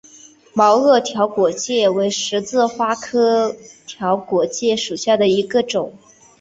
毛萼条果芥为十字花科条果芥属下的一个种。